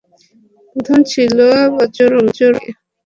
প্রথম ছিল বজরঙ্গী।